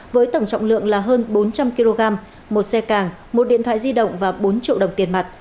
với tổng trọng lượng là hơn bốn trăm linh kg một xe càng một điện thoại di động và bốn triệu đồng tiền mặt